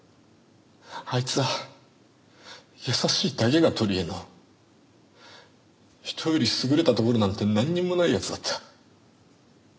あいつは優しいだけが取りえの人より優れたところなんてなんにもない奴だった。